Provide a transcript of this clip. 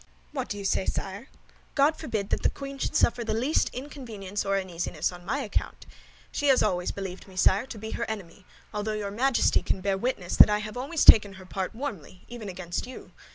"What do you say, sire? God forbid that the queen should suffer the least inconvenience or uneasiness on my account! She has always believed me, sire, to be her enemy; although your Majesty can bear witness that I have always taken her part warmly, even against you.